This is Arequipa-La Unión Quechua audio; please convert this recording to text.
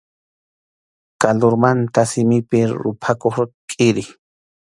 Kalurmanta simipi ruphakuq kʼiri.